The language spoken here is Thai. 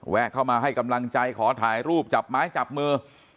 เข้ามาให้กำลังใจขอถ่ายรูปจับไม้จับมือ